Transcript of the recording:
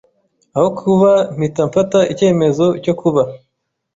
aho kuba mpita mfata icyemezo cyo kuba